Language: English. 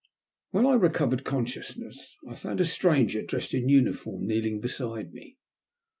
WHEN I recovered consciousness I found a stranger dressed in uniform kneeling beside me.